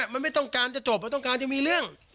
มันไม่ต้องการจะจบมันต้องการจะมีเรื่อง